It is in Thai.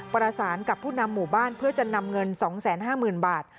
ประสานกับผู้นำหมู่บ้านเพื่อจะนำเงิน๒๕๐๐๐บาท